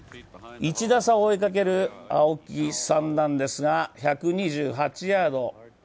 １打差を追いかける青木さんなんですが、１２８ヤード。